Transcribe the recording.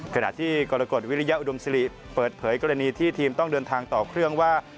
ขณะที่กรกฎวิริยอุดมศิริเปิดเผยกรณีที่ทีมต้องเดินทางต่อเครื่องว่า